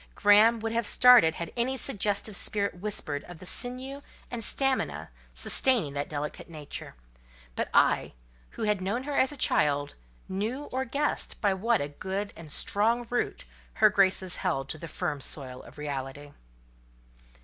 Graham would have started had any suggestive spirit whispered of the sinew and the stamina sustaining that delicate nature; but I who had known her as a child, knew or guessed by what a good and strong root her graces held to the firm soil of reality.